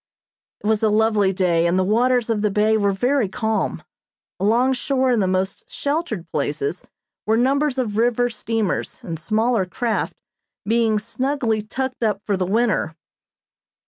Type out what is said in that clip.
It was a lovely day and the waters of the bay were very calm. Along shore in the most sheltered places were numbers of river steamers and smaller craft being snugly tucked up for the winter.